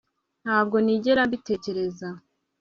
Ntabwo nigera mbitekereza